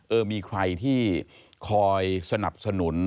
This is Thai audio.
เออมีใครที่คอยสนับสนุน